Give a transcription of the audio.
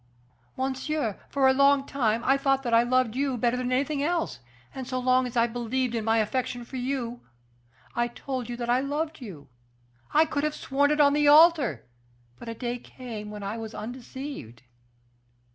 "Monsieur, for a long time I thought that I loved you better than anything else; and so long as I believed in my affection for you, I told you that loved you. I could have sworn it on the altar; but a day came when I was undeceived."